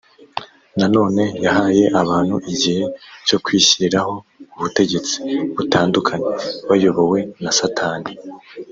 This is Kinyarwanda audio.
nanone yahaye abantu igihe cyo kwishyiriraho ubutegetsi butandukanye bayobowe na satani